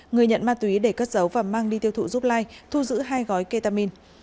người nhận ma túy để cất giấu và mang đi tiêu thụ giúp lai thu giữ hai gói ketamin